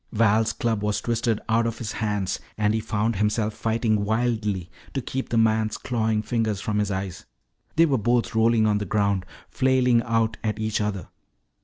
Val's club was twisted out of his hands, and he found himself fighting wildly to keep the man's clawing fingers from his eyes. They were both rolling on the ground, flailing out at each other.